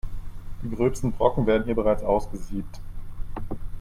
Die gröbsten Brocken werden hier bereits ausgesiebt.